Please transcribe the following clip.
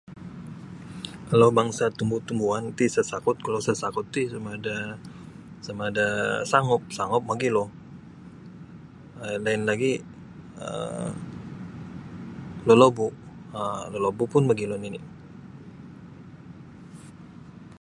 Kalau bangsa' tumbu-tumbuhan ti sasakut kalau sasakut ti sama ada sama da sangup sangup mogilo lain lagi um lolobu' lolobu' pun mogilo nini'.